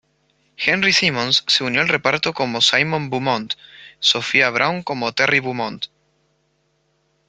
Henry Simmons se unió al reparto como Simon Beaumont, Sophia Brown como Terry Beaumont.